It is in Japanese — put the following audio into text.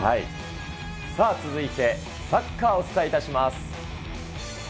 さあ、続いてサッカーをお伝えします。